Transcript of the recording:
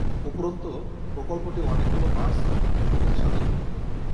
উপরন্তু, প্রকল্পটি অনেকগুলো বাস রুটের সাথেও যুক্ত।